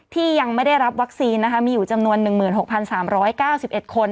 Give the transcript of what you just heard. ที่ยังไม่ได้รับวัคซีนมีอยู่จำนวน๑๖๓๙๑คน